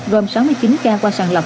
gồm sáu mươi chín ca qua sàn lọc